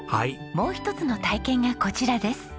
もう一つの体験がこちらです。